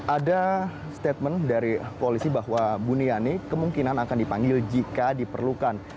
ada statement dari polisi bahwa buniani kemungkinan akan dipanggil jika diperlukan